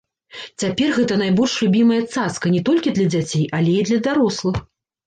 Цяпер гэта найбольш любімая цацка не толькі для дзяцей, але і для дарослых.